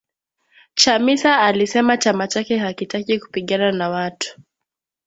Chamisa alisema chama chake hakitaki kupigana na watu